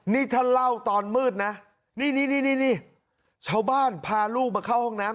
นี่ท่านเล่าตอนมืดนะนี่ชาวบ้านพาลูกมาเข้าห้องน้ำ